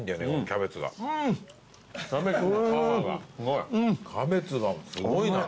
キャベツがすごいな。